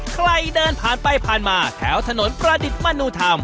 ใครเดินผ่านไปผ่านมาแถวถนนประดิษฐ์มนุธรรม